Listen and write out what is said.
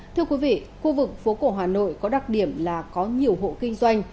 thưa quý vị khu vực phố cổ hà nội có đặc điểm là có nhiều hộ kinh doanh